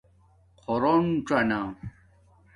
خݸرونڅانہ